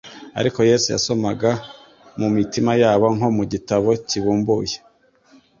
ariko Yesu yasomaga mu mitima yabo nko mu gitabo kibumbuye,